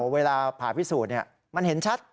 เวลาผ่าพิสูจน์มันเห็นชัด